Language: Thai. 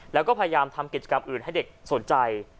แล้วก็พยายามทำกิจกรรมอื่นให้เด็กสนใจ